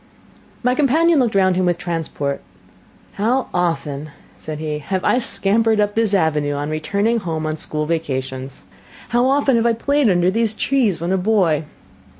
My companion looked round him with transport: "How often," said he, "have I scampered up this avenue, on returning home on school vacations! How often have I played under these trees when a boy!